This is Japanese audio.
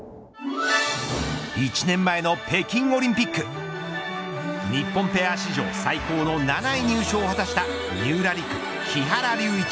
１年前の北京オリンピック日本ペア史上最高の７位入賞を果たした三浦璃来、木原龍一